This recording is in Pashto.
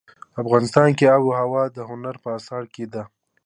افغانستان کې آب وهوا د هنر په اثار کې دي.